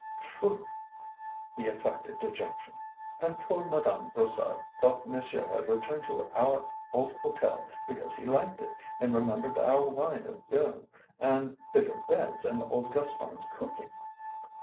"Truly!" He affected dejection. "And poor Madame Brossard thought monsieur had returned to our old hotel because he liked it, and remembered our wine of Beaune and the good beds and old Gaston's cooking!"